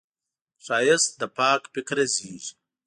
ښایست له پاک فکره زېږي